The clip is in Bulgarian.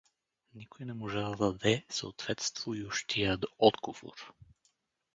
Никой не можа да даде съответствующия отговор.